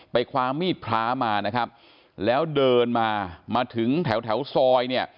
คว้ามีดพระมานะครับแล้วเดินมามาถึงแถวแถวซอยเนี่ย